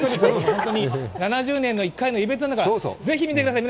７０年に１回のイベントなのでぜひ見てください。